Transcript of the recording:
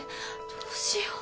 どうしよう。